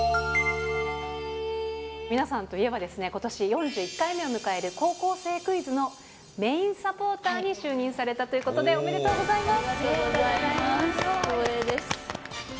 皆さんといえば、ことし４１回目を迎える、高校生クイズのメインサポーターに就任されたということで、ありがとうございます。